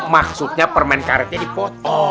maksudnya perminkaretnya dipotong